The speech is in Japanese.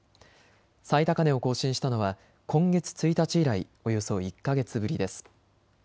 最高値を更新したのは今月１日以来、およそ１か月ぶりです。